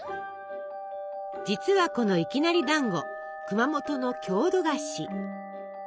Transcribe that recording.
実はこのいきなりだんご熊本の郷土菓子。